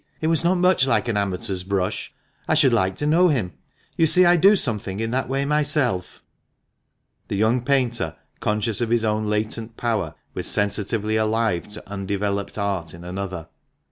It was not much like an amateur's brush. I should like to know him. You see I do something in that way myself." The young painter, conscious of his own latent power, was sensitively alive to undeveloped art in another.